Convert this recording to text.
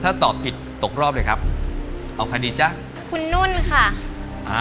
ถ้าตอบผิดตกรอบเลยครับเอาใครดีจ๊ะคุณนุ่นค่ะอ่า